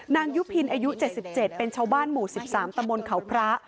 ยุพินอายุ๗๗เป็นชาวบ้านหมู่๑๓ตะมนต์เขาพระ